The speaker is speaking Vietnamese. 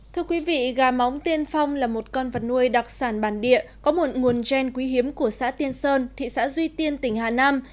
thưa quý vị gà móng tiên phong là một con vật nuôi đặc sản bản địa có một nguồn gen quý hiếm của xã tiên sơn thị xã duy tiên tỉnh hà nam